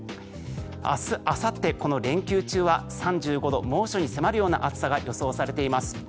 明日あさってこの連休中は３５度、猛暑に迫るような暑さが予想されています。